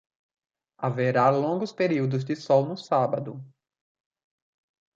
Haverá longos períodos de sol no sábado.